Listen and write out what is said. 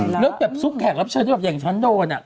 แล้วแบบซุปแขกรับเชิญอย่างฉันโดน